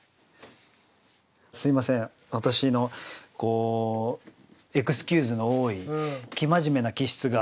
私のこうエクスキューズの多い生真面目な気質が。